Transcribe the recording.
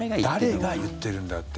誰が言ってるんだって。